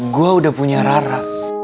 gua udah punya rara